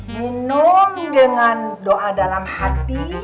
minum dengan doa dalam hati